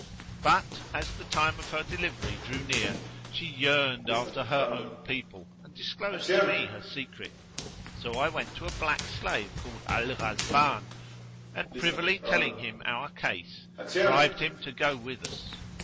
But as the time of her delivery drew near she yearned after her own people and disclosed to me her secret; so I went to a black slave called Al Ghazban; and, privily telling him our case, bribed him to go with us.